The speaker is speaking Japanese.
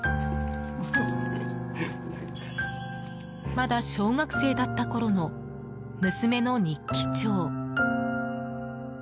まだ小学生だったころの娘の日記帳。